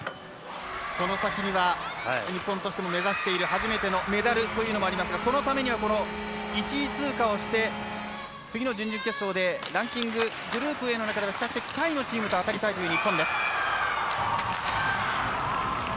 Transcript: その先には日本としても目指している初めてのメダルというのもありますがそのためには１位通過をして次の準々決勝でランキンググループＡの中では比較的下位のチームと当たりたいという日本です。